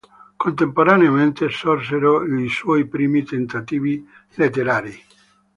Contemporaneamente sorsero i suoi primi tentativi letterari.